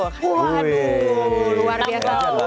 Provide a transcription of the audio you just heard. waduh luar biasa